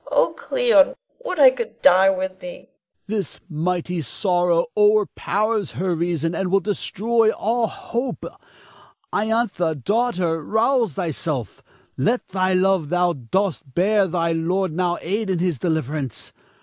Oh, Cleon, would I could die with thee! Adrastus. This mighty sorrow o'erpowers her reason and will destroy all hope. Iantha, daughter, rouse thyself; let the love thou dost bear thy lord now aid in his deliverance.